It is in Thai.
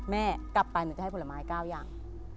แม่กลับไปหนูจะให้ผลไม้๙อย่าง